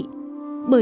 du khách nói